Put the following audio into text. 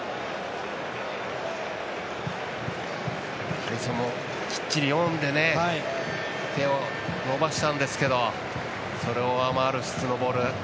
アリソンもきっちり読んでね手を伸ばしたんですけどそれを上回る質のボール